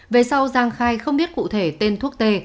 về sau giang khai không biết cụ thể tên thuốc tê